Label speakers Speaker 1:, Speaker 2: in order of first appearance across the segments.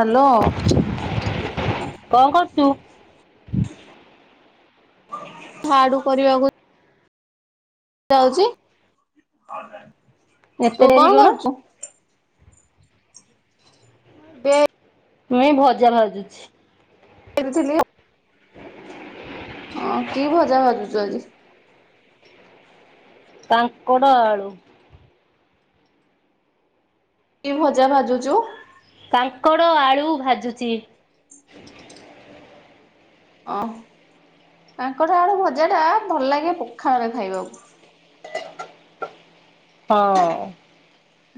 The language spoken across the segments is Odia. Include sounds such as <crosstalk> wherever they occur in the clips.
Speaker 1: ହାଲୋ।
Speaker 2: କଣ କରୁଚୁ?
Speaker 1: ଝାଡୁ କରିବାକୁ ଯାଉଚି
Speaker 2: ଏତେ
Speaker 1: ତୁ
Speaker 2: ଡେରି
Speaker 1: କଣ କରୁଚୁ? <unintelligible>
Speaker 2: ମୁଁଇ ଭଜା ଭାଜୁଛି।
Speaker 1: <unintelligible> ହଁ କି ଭଜା ଭଜା ଭାଜୁଚୁ ଆଜି?
Speaker 2: କାଙ୍କଡ଼ ଆଳୁ।
Speaker 1: କି ଭଜା ଭାଜୁଚୁ?
Speaker 2: କାଙ୍କଡ଼ ଆଳୁ ଭାଜୁଚି।
Speaker 1: ଅ ହଁ କାଙ୍କଡ଼ ଆଳୁ ଭଜା ଟା ଭଲ୍ ଲାଗେ ପଖାଳରେ ଖାଇବାକୁ।
Speaker 2: ହଁ।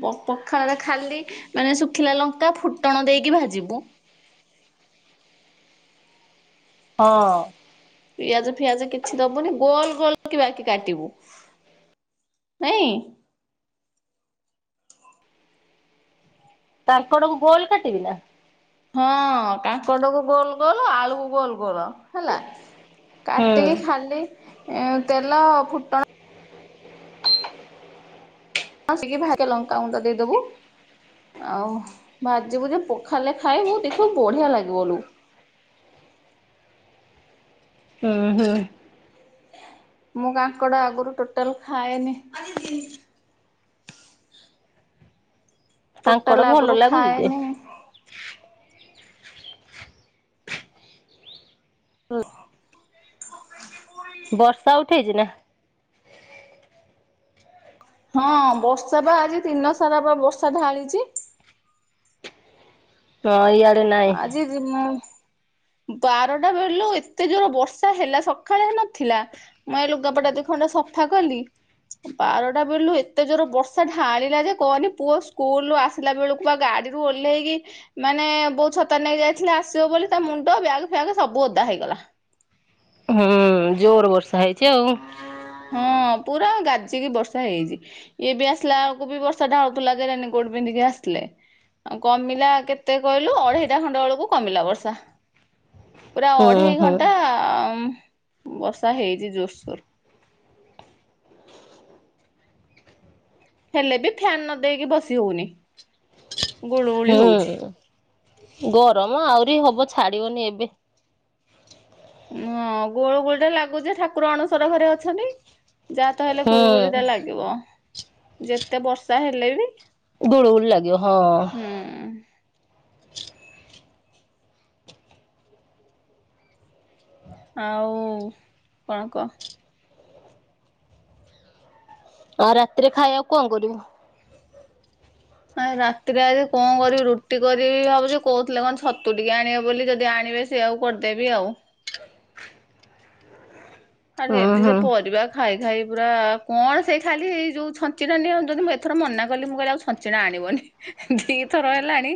Speaker 1: ପ ପ୍ ପଖାଳରେ ଖାଲି ମାନେ ଶୁଖିଲା ଲଙ୍କା ଫୁଟଣ ଦେଇକି ଭାଜିବୁ।
Speaker 2: ହଁ।
Speaker 1: ପିଆଜ ଫିଆଜ କିଛି ଦବୁନି ଗୋଲ୍ ଗୋଲ୍ କି ବାକି କାଟିବୁ। ନାଇଁ
Speaker 2: କାଙ୍କଡ଼ କୁ ଗୋଲ୍ କାଟିବି ନା?
Speaker 1: ହଁ କାଙ୍କଡ଼କୁ ଗୋଲ୍ ଗୋଲ୍ ଆଳୁକୁ ଗୋଲ୍ ଗୋଲ୍ ହେଲା।
Speaker 2: ହୁଁ
Speaker 1: କାଟିକି ଖାଲି ଏ ତେଲ ଫୁଟ ହଁ କସିକି ଭାଗେ ଲଙ୍କା ଗୁଣ୍ଡ ଦେଇଦବୁ। ଆଉ ଭାଜିବୁ ଯେ ପଖାଳରେ ଖାଇବୁ ଦେଖିବୁ ବଢ଼ିଆ ଲାଗିବ ଲୋ।
Speaker 2: ହୁଁ ହୁଁ।
Speaker 1: ମୁଁ କାଙ୍କଡ଼ ଆଗୁରୁ ଟୋଟାଲ୍ ଖାଏନି। ଟୋଟାଲ
Speaker 2: କାଙ୍କଡ଼ ଭଲ
Speaker 1: ଆଗରୁ
Speaker 2: ଲାଗୁଚି ଯେ
Speaker 1: ଖାଏନି। <unintelligible>
Speaker 2: ବର୍ଷା ଉଠେଇଛି ନା?
Speaker 1: ହଁ ବର୍ଷା ପା ଆଜି ଦିନ ସାରା ପା ବର୍ଷା ଢାଳିଚି।
Speaker 2: ହଁ ଇଆଡେ ନାଇଁ।
Speaker 1: <inaudible> ବାରଟା ବେଲୁ ଏତେ ଜୋରେ ବର୍ଷା ହେଲା ସଖାଳେ ନଥିଲା। ମୁଁ ଏଇ ଲୁଗା ପଟା ଦି ଖଣ୍ଡ ସଫା କଲି। ବାରଟା ବେଳୁ ଏତେ ଜୋରେ ବର୍ଷା ଢ଼ାଳିଲା ଯେ କହନି ପୁଅ ସ୍କୁଲ୍ ରୁ ଆସ୍ ଆସିଲା ବେଳୁକୁ ପା ଗାଡିରୁ ଓହ୍ଲେଇକି ମାନେ ବୋ ଛତା ନେଇକି ଯାଇଥିଲେ ଆସିବ ବୋଲି ତା ମୁଣ୍ଡ ବ୍ୟାଗ୍ ଫ୍ୟାଗ୍ ସବୁ ଓଦା ହେଇଗଲା।
Speaker 2: ହୁଁ ଜୋର୍ ବର୍ଷା ହେଇଛି ଆଉ
Speaker 1: ହଁ ପୁରା ଗାଜିକି ବର୍ଷା ହେଇଚି। ଇଏ ବି ଆସିଲା ଆଳକୁ ବି ବର୍ଷା ଢାଳୁଥୁଲା କେଜାଣି କୋଉଠୁ ପିନ୍ଧିକି ଆସିଥିଲେ? ଆଉ କମିଲା କେତେ କହିଲୁ ଅଢେଇଟା ଖଣ୍ଡ ବେଳକୁ କମିଲା ବର୍ଷା। ପୁରା
Speaker 2: ହୁଁ
Speaker 1: ଅଢ଼େଇ
Speaker 2: ହୁଁ।
Speaker 1: ଘଣ୍ଟା ଆଁ ମ୍ ବର୍ଷା ହେଇଚି ଜୋରସୋର୍। ହେଲେ ବି ଫ୍ୟାନ୍ ନ ଦେଇକି ବସି ହଉନି। ଗୁଳୁଗୁଳି ହଉଛି
Speaker 2: ହୁଁ ଗରମ ଆହୁରି ହବ ଛାଡ଼ିବନି ଏବେ।
Speaker 1: ହଁ ଗୁଳୁ ଗୁଳି ତ ଲାଗୁଚି ଠାକୁର ଅଣସର ଘରେ ଅଛନ୍ତି। ଯାହା ତ ହେଲେ ଗୁଳୁଗୁଳିଟା
Speaker 2: ହୁଁ।
Speaker 1: ଲାଗିବ ଯେତେ ବର୍ଷା ହେଲେ ବି
Speaker 2: ଗୁଳୁଗୁଳି ଲାଗିବ ହଁ।
Speaker 1: ହୁଁ। ଆଉ କଣ କହ?
Speaker 2: ଆଉ ରାତିରେ ଖାଇବାକୁ କଣ କରିବୁ?
Speaker 1: ଆ ରାତିରେ ଆଜି କଣ କରିବି ରୁଟି କରିବି ଭାବୁଛି କହୁଥିଲେ କଣ ଛତୁ ଟିକେ ଆଣିବେ ବୋଲି ଯଦି ଆଣିବେ ସେୟାକୁ କରିଦେବି ଆଉ ଆ
Speaker 2: ଉଁ
Speaker 1: ଏମତି ସେ
Speaker 2: ହୁଁ।
Speaker 1: ପରିବା ଖାଇ ଖାଇ ପୁରା କଣ ସେଇ ଖାଲିଇ ଯେଉଁ ଛଞ୍ଚିଣା ନିଅ ଯଦି ମୁଁ ଏଥର ମନା କଲି ମୁଁ କହିଲି ଆଉ ଛଞ୍ଚିଣା ଆଣିବନି। ଦି ଥର ହେଲାଣି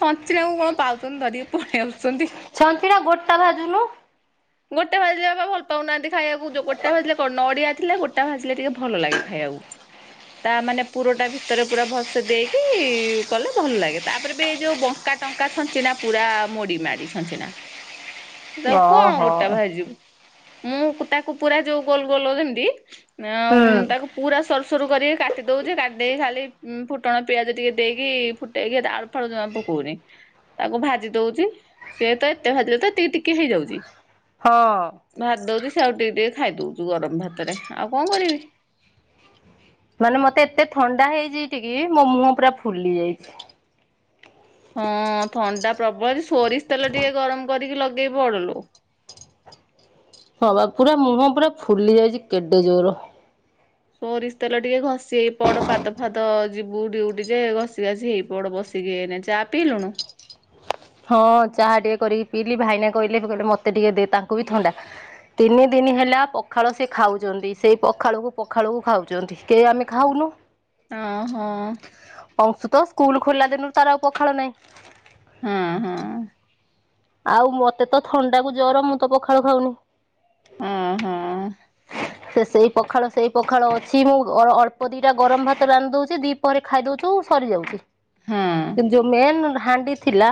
Speaker 1: ଛଞ୍ଚିଣାକୁ କଣ ପାଉଛନ୍ତି ଧରିକି ପଳେଇ ଆଉଛନ୍ତି।
Speaker 2: ଛଞ୍ଚିଣା ଗୋଟା ଭାଜୁନୁ?
Speaker 1: ଗୋଟେ ଭାଜିଲେ ବା ପା ଭଲ ପାଉନାହାନ୍ତି ଖାଇବାକୁ ଗୋଟା ଭାଜିଲେ ନଡିଆ ଥିଲେ ଗୋଟା ଭାଜିଲେ ଟିକେ ଭଲ ଲାଗେ ଖାଇବାକୁ। ତା ମାନେ ପୁରଟା ଭିତରେ ପୁରା ଭଲସେ ଦେଇକି କଲେ ଭଲ ଲାଗେ ତାପରେ ବି ଯୋଉ ଵଙ୍କା ଟଙ୍କା ଛଞ୍ଚିଣା ପୁରା ମୋଡି ମାଡି ଛଞ୍ଚିଣା। ତାକୁ
Speaker 2: ଓହୋ
Speaker 1: କଣ ଗୋଟା ଭାଯିବୁ ମୁଁ ତାକୁ ପୁରା ଯୋଉ ଗୋଲ ଗୋଲ ଯେମିତି
Speaker 2: ହୁଁ
Speaker 1: ଆଉଁ ତାକୁ ପୁରା ସରୁ ସ ସରୁସରୁ କରିକି କାଟି ଦେଉଛି କାଟି ଦେଇକି ଖାଲି ଫୁଟଣ ପିଆଜ ଟିକେ ଦେଇକି ଫୁଟାଇକି ଳ ପକଉନି ତାକୁ ଭାଜି ଦଉଛି ସିଏ ତ ଏତେ ଭାଜିଦେଲେ ତ ଏତିକି ଟିକେ ହେଇଯାଉଛି।
Speaker 2: ହଁ।
Speaker 1: ଭାଜ ଦଉଛି ସେ ଆଉ ଟିକେ ଟିକେ ଖାଇଦଉଛୁ ଗରମ ଭାତରେ ଆଉ କଣ କରିବି?
Speaker 2: ମାନେ ମତେ ଏତେ ଥଣ୍ଡା ହେଇଯାଇଛି ଟିକେ ମୋ ମୁହଁ ପୁରା ଫୁଲି ଯାଇଛି।
Speaker 1: ହଁ ଥଣ୍ଡା ପ୍ରବଳ ସୋରିଷ ତେଲ ଟିକେ ଗରମ କରିକି ଲଗେଇ ପଡଲୋ।
Speaker 2: ହଁ ବା ପୁରା ମୁହଁ ପୁରା ଫୁଲି ଯାଇଛି କେଡେ ଜୋର।
Speaker 1: ସୋରିଷ ତେଲ ଟିକେ ଘଷି ହେଇ ପଡ ପାଦ ଫାଦ ଯିବୁ ଡିଉଟି ଯେ ଘଷି ଘାସି ହେଇ ପଡ ବସି। ଟିକେ ଚା ପିଇଲୁଣୁ?
Speaker 2: ହଁ ଚାହା ଟିକେ କରିକି ପିଇଲିି ଭାଇନା କହିଲେ କହିଲେ ମତେ ଟିକେ ଦେ ତାଙ୍କୁ ବି ଥଣ୍ଡା। ତିନି ଦିନ ହେଲା ପଖାଳ ସେ ଖାଉଛନ୍ତି ସେଇ ପଖାଳୁକୁ ପଖାଳୁକୁ ଖାଉଛନ୍ତି କେହି ଆମେ ଖାଉନୁ।
Speaker 1: ହ ହଁ।
Speaker 2: ଅଂଶୁ ତ ସ୍କୁଲ ଖୋଲା ଦିନରୁ ତାର ଆଉ ପଖାଳ ନାହିଁ।
Speaker 1: ହଁ ହଁ।
Speaker 2: ଆଉ ମତେ ତ ଥଣ୍ଡା କୁ ଜର ମୁଁ ତ ପଖାଳୁ ଖାଉନି।
Speaker 1: ଆଁ -ହଁ।
Speaker 2: ସେ-ସେ ସେଇ ପଖାଳ ସେଇ ପଖାଳ ଅଛି ମୁଁ ଅ-ଅଳ୍ପ ଦିଟା ଗରମ୍ ଭାତ ରାନ୍ଧ ଦଉଚି ଦି ପରେ ଖାଇ ଦଉଚୁ ସରିଯାଉଚି।
Speaker 1: ହଁ ହଁ
Speaker 2: କିନ୍ତୁ ଯଉ ମେନ୍ ହାଣ୍ଡି ଥିଲା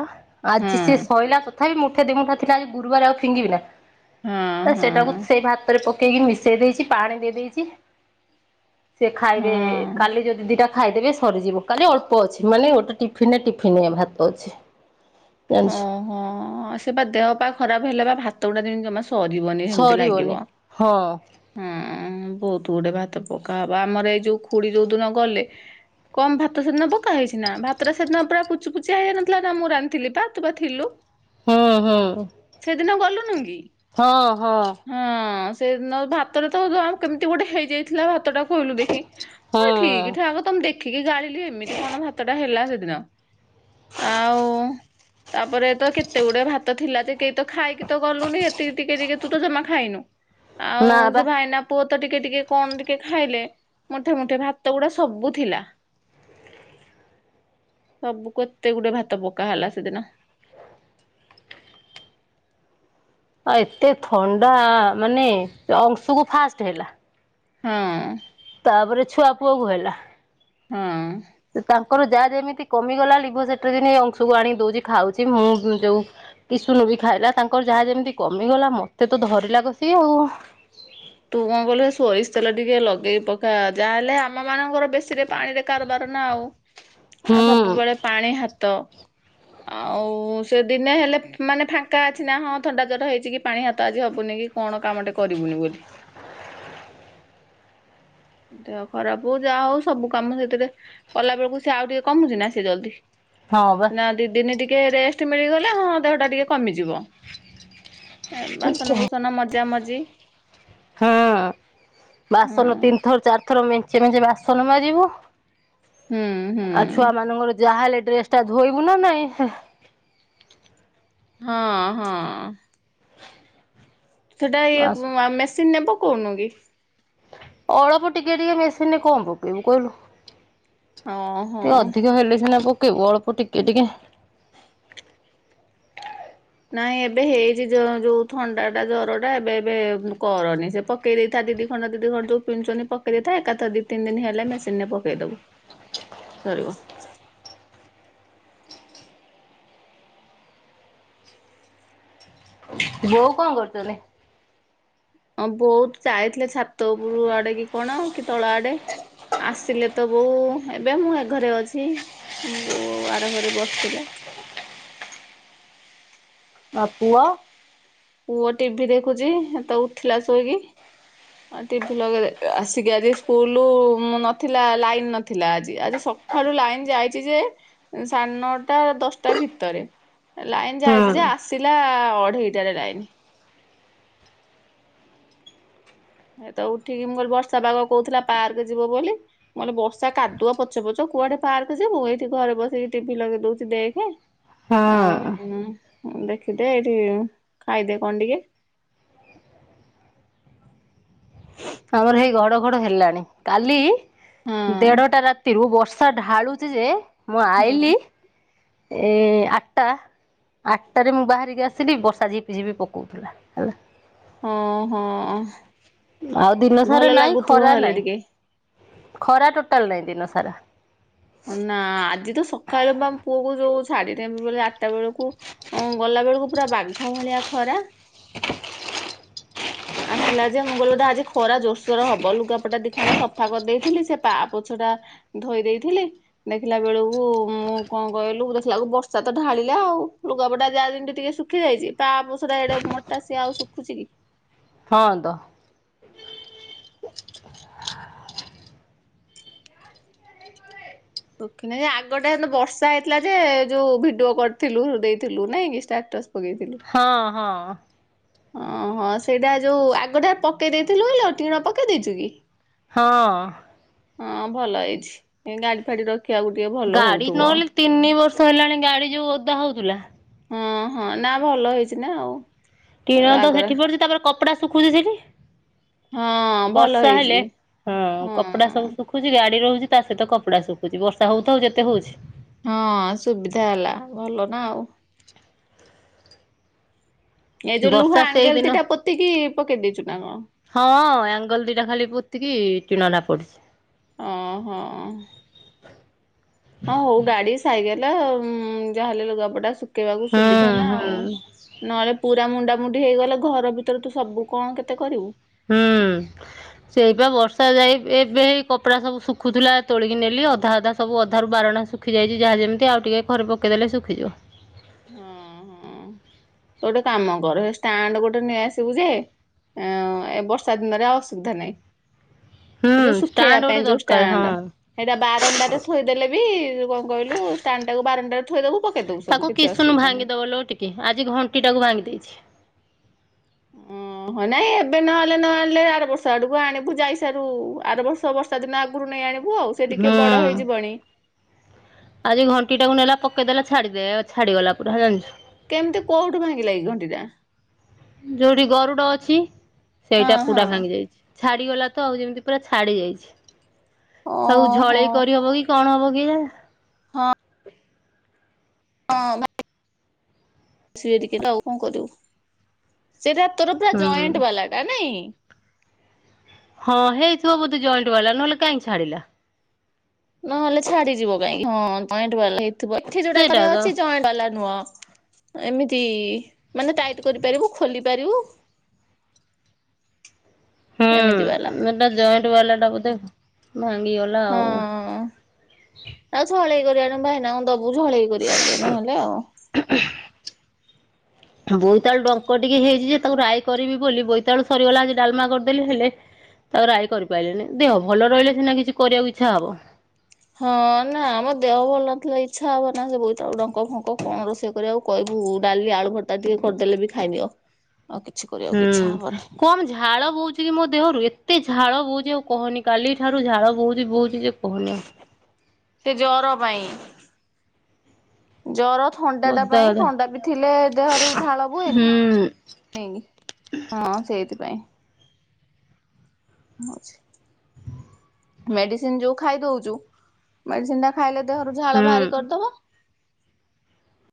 Speaker 2: ଆଜି ସେ
Speaker 1: ହଁ
Speaker 2: ସଇଲା ତଥାପି ମୁଠା ଦିମୁଠା ଥିଲା ଗୁରୁବାରେ ଆଉ ଫିଙ୍ଗିବି ନା
Speaker 1: ହଁ
Speaker 2: ତ
Speaker 1: ହଁ
Speaker 2: ସେଟାକୁ ସେଇ ଭାତରେ ପ ପକେଇକି ମିଶେଇ ଦେଇଚି ପାଣି ଦେଇ ଦେଇଚି ସେ ଖାଇବେ
Speaker 1: ହଁ
Speaker 2: କାଲି ଯଦି ଦିଇଟା ଖାଇଦେବେ ସରିଯିବ କାଲି ଅଳ୍ପ ଅଛି ମାନେ ଗୋଟେ ଟିଫିନ୍ ରେ ଟିଫିନିଏ ଭାତ ଅଛି। <unintelligible>
Speaker 1: ହଁ- ଆ ସେ ବା ଦେହ ପା ଖରାପ ହେଲେ ବା ଭାତ ଗୁଡା ଯେମିତି ଜମା ସରିବନି ହେମିତି
Speaker 2: ସରିବନି
Speaker 1: ଲାଗିବ।
Speaker 2: ହଁ
Speaker 1: ହଁ- ବହୁତ୍ ଗୁଡେ ଭାତ ପକା ହବ ଆମର ଏଇ ଯଉ ଖୁଡି ଯଉ ଦିନ ଗଲେ କମ୍ ଭାତ ସେଦିନ ପକା ହେଇଚି ନା ଭାତରେ ସେଦିନ ପୁରା ପଚୁପୁଚିଆ ହେଇ ଯାଇନଥିଲା ନା ତ ମୁଁ ରାନ୍ଧଥିଲି ତୁ ବା ଥିଲୁ।
Speaker 2: ହଁ- ହଁ।
Speaker 1: ସେଦିନ ଗଲୁନୁ କି?
Speaker 2: ହଁ -ହଁ।
Speaker 1: ହଁ- ସେଦିନ ଭାତରେ ତ ଯ-କେମିତି ଗୋଟେ ହେଇଯାଇଥିଲା ଭାତଟା କହିଲୁ ଦେଖି।
Speaker 2: ହୁଁ
Speaker 1: ହଁ ଠିକ୍ ଠାକ ମୁଁ ଦେଖିକି ଗାଳିଲି ଏମିତି କଣ ଭାତ ଟା ହେଲା ସେଦିନ। ଆଉ ତାପରେ ତ କେତେ ଗୁଡେ ଭାତ ଥିଲା ଯେ କେହି ତ ଖାଇକି ତ ଗଲୁନି ଏତିକି ଟିକେ ଟିକେ ତୁ ତ ଜମା ଖାଇନୁ ଆଉ
Speaker 2: ନା ବା
Speaker 1: ସେ ଭାଇନା ପୁଅ ତ ଟିକେ ଟିକେ କଣ ଟିକେ ଖାଇଲେ ମୁଠେ ମୁଠେ ଭାତ ଗୁଡା ସବୁ ଥିଲା। ସବୁ କେତେ ଗୁଡେ ଭାତ ପକା ହେଲା ସେଦିନ।
Speaker 2: ଆ-ଏତେ ଥଣ୍ଡା ମାନେ ଅଂଶୁ କୁ ଫାଷ୍ଟେ ହେଲା।
Speaker 1: ହଁ।
Speaker 2: ତାପରେ ଛୁଆ ପୁଅ କୁ ହେଲା।
Speaker 1: ହଁ।
Speaker 2: ତାଙ୍କର ଯାହା ଯେମିତି କମିଗଲାଣି ଲେଭୋସିଟିଜେନ୍ ଏ ଅଂଶକୁ ଆଣିକି ଦଉଚି ଖାଉଚି ମୁଁ ଯଉ ଇସୁନୁ ବି ଖାଇଲା ତାଙ୍କର ଯାହା ଯେମିତି କମିଗଲା ମତେ ତ ଧରିଲା କସିି ଆଉ।
Speaker 1: ତୁ କଣ କହିଲୁ ସୋରିଷ ତେଲ ଟିକେ ଲଗେଇ ପକା ଯାହାହେଲେ ଆମ ମାନଙ୍କର ବେଶୀରେ ପାଣିରେ କାରବାର ନା ଆଉ।
Speaker 2: ହୁଁ
Speaker 1: ଆଉ ସବୁବେଳେ ପାଣି ହାତ ଆଉ ସେ ଦିନେ ହେଲେ ମାନେ ଫାଙ୍କା ଅଛି ନା ହଁ ଥଣ୍ଡା ଜର ହେଇଚି କି ପାଣି ହାତ ଆଜି ହବୁନି କ କଣ କାମ ଟେ କରିବୁନି ବୋଲି। ଦେହ ଖରାପ ହଉ ଯାହା ହଉ ସବୁ କାମ ସେଥିରେ କଲାବେେଳକୁ ସେ ଆଉ ଟିକେ କମୁଚି ନା ସେ ଜଲ୍ଦି
Speaker 2: ହଁ ବା।
Speaker 1: ନା ଦି ଦିନି ଟିକେ ରେଷ୍ଟ୍ ମିଳିଗଲେ ହଁ ଦେହଟା ଟିକେ କମିଯିବ। ଏଁ-ବାସନକୁୁସନ ମଜା ମଜି।
Speaker 2: ହଁ-
Speaker 1: ହଁ
Speaker 2: ବାସନ ତିନି ଥର ଚାରି ଥର ମେଞ୍ଚେ ମେଞ୍ଚେ ବାସନ ମାଜିବୁ
Speaker 1: ହୁଁ
Speaker 2: ଆଉ
Speaker 1: ହୁଁ।
Speaker 2: ଛୁଆ ମାନଙ୍କର ଯାହା ହେଲେ ଡ୍ରେସ୍ ଟା ଧୋଇବୁ ନା ନାଇଁ।
Speaker 1: ହଁ- ହଁ। ସେଟା ଇଏ ଅ-ମେସିନ୍ ରେ ପକଉନୁ କି?
Speaker 2: ଅଳପ ଟିକେ ଟିକେ ମେସିନ୍ ରେ କଣ ପକେଇବୁ କହିଲୁ।
Speaker 1: ଓହୋ।
Speaker 2: ଟିକେ ଅଧିକ ହେଲେ ସିନା ପକେଇବୁ ଅଳ୍ପ ଟିକେ ଟିକେ
Speaker 1: ନାଇଁ ଏବେ ହେଇଚି ଯ-ଯଉ ଥଣ୍ଡା ଟା ଜର ଟା ଏବେ ଏବେ କରନି ସେ ପ ପକେଇ ଦେଇଥା ଦି ଖଣ୍ଡ ଦି ଖଣ୍ଡ ଯଉ ପିନ୍ଧୁଚନ୍ତି ପେକେଇ ଦେଇଥା ଏକା ଥରେ ତିନି ଦିନ ହେଲେ ମେସିନ ରେ ପକେଇ ଦବୁ। ସରିବ।
Speaker 2: ବଉ କଣ କରୁଚନ୍ତି?
Speaker 1: ହଁ ବଉ ଯାଇଥିଲେ ଛାତ ଉପୁରୁକୁ ଆଡେ କି କଣ କି ତଳ ଆଡେ ଆସିଲେ ତ ବୋଉ ଏବେ ମୁଁ ଏ ଘରେ ଅଛି ବୋଉ ଆର ଘରେ ବସିଥିଲେ।
Speaker 2: ଆ ପୁଅ?
Speaker 1: ପୁଅ ଟିଭିି ଦେଖୁଛି ହେତ ଉଠୀଲା ଶୋଇକି ଟିଭି ଲଗେଇ ଆସିକି ଆଜି ସ୍କୁଲ ନଥିଲା ଲାଇନ ନଥିଲା ଆଜି ଆଜି ସ ଖାଳୁ ଲାଇନ ଯାଇଛି ଯେ ସାଢେ ନଅଟା ଦଶଟା ଭିତରେ ଲାଇନ
Speaker 2: ହୁଁ
Speaker 1: ଯାଇଛି ଯେ ଆସିଲା ଅଢେଇଟାରେ ଲାଇନ୍ ଏ ତ ଉଠିକି ମୁଁ କହିଲି ବର୍ଷା ପାଗ କହୁଥିଲା ପାର୍କ ଯିବ ବୋଲି ମୁଁ କହିଲି ବର୍ଷା କାଦୁଅ ପଚ ପଚ କୁଆଡେ ପାର୍କ ଯିବୁ ମୁଁ ଏଇଠି ଘରେ ବସେଇି ଟିଭିି ଲଗେଇ ଦଉଛି ଦେଖେ ଆଉ
Speaker 2: ହଁ
Speaker 1: ଦେଖିଦେ ଏଇଠି ଖାଇଦେ କଣ ଟିକେ
Speaker 2: ଆମର ହେଇ ଘଡଘଡ ହେଲାଣି କାଲି
Speaker 1: ହଁ
Speaker 2: ଦେଢଟା ରାତିରୁ ବର୍ଷ ଶା ଢାଳୁଛି ଯେ ମୁଁ
Speaker 1: ହଁ
Speaker 2: ଆଇଲି ଏ ଆଠଟା ଆଠଟା ରେ ମୁଁ ବାହାରିକି ଆସିଲି ବର୍ଷା ଝିପି ଝିପି ପକଉଥିଲା। ହେଲା
Speaker 1: ହଁ ହଁ
Speaker 2: ଆଉ ଦିନ ସାରା
Speaker 1: ଭଲ
Speaker 2: ନାଇଁ
Speaker 1: ଲାଗୁଥିବ
Speaker 2: ଖରା
Speaker 1: ହେଲେ
Speaker 2: ନାଇଁ
Speaker 1: ଟିକେ
Speaker 2: ଖରା ଟୋଟାଲ ନାଇଁ ଦିନସାରା
Speaker 1: ନା ଆଜି ତ ସକାଳୁ ବା ପୁଅକୁ ଯୋଉ ଛାଡିଦେମି ବୋଲେ ଆଠଟା ବେଳକୁ ଅ ଗଲା ବେଳକୁ ପୁରା ବାଘ ଭଳିଆ ଖରା ଆସିଲା ଯେ ମୁଁ କହିଲି ବୋଧେ ଆଜି ଖରା ଜୋରସୋର ହବ ଲୁଗାପଟା ଦି ଖଣ୍ଡ ସଫା କରିଦେଇଥିଲି ସେ ପା ପଛ ଟା ଧୋଇ ଦେଇଥିଲି। ଦେଖିଲା ବେଳକୁ ମୁଁ କଣ କହିଲୁ ଦେଖିଲାକୁ ବର୍ଷା ତ ଢାଳିଲା ଆଉ ଲୁଗାପଟା ଯାହା ଯେମିତି ଟିକେ ସୁଖ୍ ଶୁଖି ଯାଇଛି ତା ପା ପୋଛା ଏଡେ ମୋଟା ସିଏ ଆଉ ଶୁଖୁଛି କି
Speaker 2: ହଁ ଦ
Speaker 1: ଦଖ ନେଇ ଯେ ନା ଆଗଟା ବର୍ଷା ହେଇଥିଲା ଯେ ଯୋଉ ଭିଡିଓ କରିଥିଲୁ ଦେଇଥିଲୁ ନାଇଁ କିଷ୍ଟାଟସ୍ ପକେଇଥିଲୁ
Speaker 2: ହଁ ହଁ
Speaker 1: ଓହୋ ସେଇଟା ଯୋଉ ଆଗଟା ପକେଇ ଦେଇଥିଲୁ କିଲୋ ଟିଣ ପକେଇ ଦେଇଛୁ କି
Speaker 2: ହଁ
Speaker 1: ହଁ ଭଲ ହେଇଛି ଏ ଗାଡି ଫାଡି ରଖି ଖିଆ କୁ ଟିକେ ଭ
Speaker 2: ଗାଡି ନହେଲେ ତିନି ବର୍ଷ ହେଲାଣି ଗାଡି ଯୋଉ ଓଦା ହଉଥିଲା
Speaker 1: ହଁ ହଁ ନା ଭଲ ହେଇଛି ନା ଆଉ
Speaker 2: ଟିଣ ତ
Speaker 1: ଆଗରେ
Speaker 2: ସେଠି ପଡୁଛି ତାପରେ କପଡା ଶୁଖୁଛି ସେଠି
Speaker 1: ହଁ ଭଲ
Speaker 2: ବର୍ଷା
Speaker 1: ହେଇଛି
Speaker 2: ହେଲେ ହଁ କପଡା ସବୁ ଶୁଖୁଛି ଗାଡ଼ି ରହୁଛି ତା ସହିତ କପଡ଼ା ଶୁଖୁଛି ବର୍ଷା ହେଉଥାଉ ଯେତେ ହେଉଛି
Speaker 1: ହଁ ସୁବିଧା ହେଲା ଭଲ ନା ଆଉ ଏଇ ଯୋଉ
Speaker 2: ବର୍ଷା
Speaker 1: ଲୁହା ଆଙ୍ଗେଲ
Speaker 2: ସେଇଦିନ
Speaker 1: ଦିଟା ପୋତିକି ପକେଇ ଦେଇଛୁ ନା କଣ
Speaker 2: ହଁ ଏଙ୍ଗଲ ଦିଟା ଖାଲି ପୋତିକି ଟିଣଟା ପଡିଛି
Speaker 1: ଓହୋ ହଁ ହଉ ଗାଡି ସାଇକେଲ ଯାହାଲେ ଲୁଗାପଟା ଶୁଖେଇବାକୁ
Speaker 2: ହୁଁ
Speaker 1: ସୁବିଧା ନା ଆଉ
Speaker 2: ହୁଁ
Speaker 1: ନହେଲେ ପୁରା ମୁଣ୍ଡାମୁଣ୍ଡି ହେଇଗଲେ ଘର ଭିତରେ ତୁ ସବୁ କଣ କେତେ କରିବୁ
Speaker 2: ହୁଁ ସେଇପା ବର୍ଷା ଯାଇ ଏବେ ଏବେ କପଡ଼ା ସବୁ ଶୁଖୁଥିଲା ତୋଳିକି ନେଲି ଅଧା ଅଧା ସବୁ ଅଧାରୁ ବାରଣା ଶୁଖୁ ଶୁଖି ଯାଇଛି ଯାହା ଯେମିତି ଆଉ ଟିକେ ଘରେ ପକେ ଇ ଦେଲେ ଶୁଖିଯିବ
Speaker 1: ହଁ ହଁ ତୁ ଗୋଟେ କାମ କର ହେଇ ଷ୍ଟାଣ୍ଡ ଗୋଟେ ନେଇଆସିବୁ ଯେ ଅ ଏ ବର୍ଷା ଦିନରେ ଅସୁବିଧା ନାହିଁ
Speaker 2: ହୁଁ
Speaker 1: ଯଉ ସୁଖେ
Speaker 2: ଷ୍ଟାଣ୍ଡ
Speaker 1: ଆପେ
Speaker 2: ଗୋଟେ
Speaker 1: ପାଇ ଯୋଉ
Speaker 2: ଦରକାର
Speaker 1: ଷ୍ଟାଣ୍ଡ
Speaker 2: ହଁ।
Speaker 1: ଏଇଟା ବାରଅଣ୍ଡା ରେ ଥୋଇଦେଲେ ବି କଣ କହିଲୁ ଷ୍ଟାଣ୍ଡ ଟାକୁ ବାରଣ୍ଡା ଟାରେ ଥୋଇଦବୁ ପକେଇଦବୁ ସବୁ କି
Speaker 2: ଶୁନୁ ଭାଙ୍ଗିଦେବଲ ଟିକେ ଆଜି ଘଣ୍ଟିଟାକୁ ଭାଙ୍ଗି ଦେଇଛି
Speaker 1: ଓହ ନାଇଁ ଏବେ ନହେଲେ ନ ଆଣିଲେ ଆର ବର୍ଷ ଆଡକୁ ଆଣିବୁ ଯାଇସାରୁ ଆର ବର୍ଷ ଛ ବର୍ଷା ଦିନ ଆଗରୁ ନେଇ ଆଣିବୁ ଆଉ ସେ ଟିକେ ବଡ
Speaker 2: ହୁଁ।
Speaker 1: ହେଇଯିବଣି
Speaker 2: ଆଜି ଘଣ୍ଟି ଟାକୁ ନେଲା ପକେଇଦେ ଛାଡିଦେ ଆ ଛାଡିଗଲା ପୁରା ଜାଣିଛୁ
Speaker 1: କେମିତି କୋଉଠୁ ଭାଙ୍ଗି ଲାଗି ଘଣ୍ଟିଟା?
Speaker 2: ଯୋଉଠି ଗରୁଡ ଅଛି
Speaker 1: ହଁ
Speaker 2: ସେଇଟା
Speaker 1: ହଁ
Speaker 2: ପୁରା ଭାଙ୍ଗି ଯାଇଛି। ଛାଡିଗଲା ତ ଆଉ ଯେମିତି ପୁରା ଛାଡି ଯାଇଛି। ଆଉ
Speaker 1: ଓହୋ
Speaker 2: ଝଳେଇ କରିହବ କି? କଣ ହବ କେଜାଣି।
Speaker 1: ହଁ ଆସିବେ ଟିକେ ତ ଆଉ କଣ କରିବୁ। ସେଟା ତୋର ପୁରା
Speaker 2: ହୁଁ।
Speaker 1: ଜଏଣ୍ଟ ବାଲା ଟା ନାଇଁ?
Speaker 2: ହଁ ହେଇଥିବ ବୋଧେ ଜଏଣ୍ଟ ବାଲା ନହେଲେ କାହିଁ ଛାଡ଼ିଲା।
Speaker 1: ନହଲେ ଛାଡିଯିବ କାଇହିଁକି? ଜଏଣ୍ଟ ବାଲା ହେଇଥିବ। ଏଠି ଯୋଉଟାକ
Speaker 2: ସେଇଟା ତ
Speaker 1: ଅଛି ଜଏ ବାଲା ନୁହଁ। ଏମିତି ମାନେ ଟାଇଟ୍ କରିପାରିବୁ ଖୋଲି ପାରିବୁ। ଏମିତି ବାଲା।
Speaker 2: ନା ଜଏଣ୍ଟ ବାଲା ଟା ବୋଧେ ଭାଙ୍ଗି ଗଲା
Speaker 1: ହଁ ଆଉ ଛଳେଇ କରି ଆଣିବୁ ଭାଇନା କୁ ଦବୁ। ମୁଁ ଝଳେଇ କରି ଆଣିବି ନହେଲେ ଆଉ।
Speaker 2: ବୋଇତାଳୁ ଡଙ୍କ ଟିକେ ହେଇଛି ଯେ ତାକୁ ରାଇ କରିବି ବୋଲି, ବୋଇତାଳୁ ସରିଗଲା ଆଜି ଡାଲମା କରିଦେଲି ହେଲେ ତାକୁ ରାଇ କରିପାରିଲିନି। ଦେହ ଭଲ ରହିଲେ ସିନା କିଛି କରିବାକୁ ଇଚ୍ଛା ହବ।
Speaker 1: ହଁ ନା ଆମ ଦେହ ଭଲ ନଥିଲେ ଇଚ୍ଛା ହବ ନା ସେ ବୋଇତାଳୁ ଡଙ୍କ ଫଙ୍କ କଣ ରୋଷେଇ କରିବାକୁ। କହିବୁ ଡାଲି ଆଳୁ ଭର୍ତ୍ତା ଟିକେ କରିଦେଲେ ବି ଖାଇନିଅ ଆଉ କିଛି କରିବାକୁ
Speaker 2: ହୁଁ।
Speaker 1: ଇଚ୍ଛା ହବନି।
Speaker 2: କମ ଝାଳ ବୋହୁଛି କି ମୋ ଦେହରୁ ଏତେ ଝାଳ ବହୁଛି ଆଉ କହନି କାଲି ଠାରୁ ଝାଳ ବୋହୁଛି ବହୁଛି ଯେ କହନି ଆଉ।
Speaker 1: ସେ ଜର ପାଇଁ ଜର ଥଣ୍ଡା
Speaker 2: ଆଉ
Speaker 1: ଟା
Speaker 2: ଓଦା
Speaker 1: ପାଇଁ
Speaker 2: ଓଦା
Speaker 1: ଥଣ୍ଡା ବି ଥିଲେ ଦେହରୁ ଝାଳ
Speaker 2: ହୁଁ
Speaker 1: ବୁହେନି। ହଁ ସେଇଥିପାଇଁ। ମଝି। ମେଡ଼ିସିନ୍ ଯୋଉ ଖାଇ ଦୋଉଛୁ, ମେଡ଼ିସିନ୍ ଟା ଖାଇଲେ ଦେହରୁ ଝାଳ ଭାରି
Speaker 2: ହୁଁ।
Speaker 1: କରିଦବ।